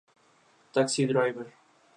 Taxi Driver